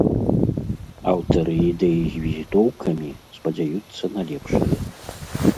Аўтары ідэі з візітоўкамі спадзяюцца на лепшае.